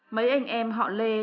mấy anh em họ lê